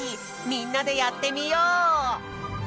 みんなでやってみよう！